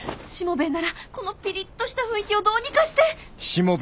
しもべえならこのピリッとした雰囲気をどうにかして。